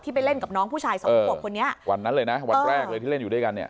ไปเล่นกับน้องผู้ชายสองขวบคนนี้วันนั้นเลยนะวันแรกเลยที่เล่นอยู่ด้วยกันเนี่ย